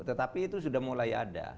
tetapi itu sudah mulai ada